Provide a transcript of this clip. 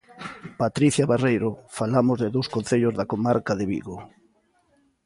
Patricia Barreiro, falamos de dous concellos da comarca de Vigo...